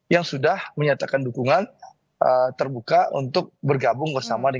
yang sudah menyatakan dukungan terbuka untuk bergabung